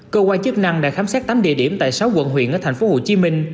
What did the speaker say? cơ quan chức năng đã khám xét tám địa điểm tại sáu quận huyện ở tp hcm